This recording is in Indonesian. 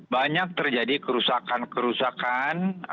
banyak terjadi kerusakan kerusakan